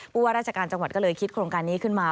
ว่าราชการจังหวัดก็เลยคิดโครงการนี้ขึ้นมา